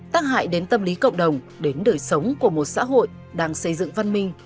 tác hại đến tâm lý cộng đồng đến đời sống của một xã hội đang xây dựng văn minh